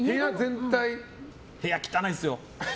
部屋汚いっすよ。